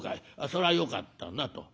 それはよかったな』と。